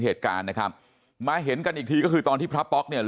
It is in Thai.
เหตุการณ์นะครับมาเห็นกันอีกทีก็คือตอนที่พระป๊อกเนี่ย